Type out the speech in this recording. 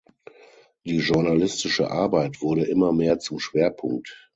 Die journalistische Arbeit wurde immer mehr zum Schwerpunkt.